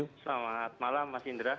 selamat malam mas indra